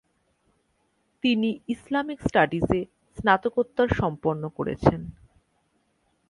তিনি ইসলামিক স্টাডিজে স্নাতকোত্তর সম্পন্ন করেছেন।